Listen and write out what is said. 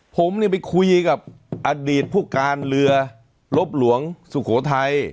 ผมไปคุยกับอดีตผู้การเรือลบหลวงสุโขทัย